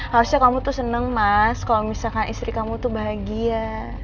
harusnya kamu tuh seneng mas kalau misalkan istri kamu tuh bahagia